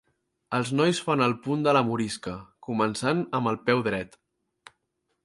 Els nois fan el punt de la morisca, començant amb el peu dret.